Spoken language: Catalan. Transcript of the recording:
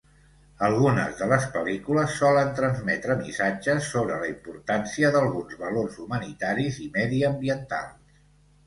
Algunes de les pel·lícules solen transmetre missatges sobre la importància d'alguns valors humanitaris i mediambientals.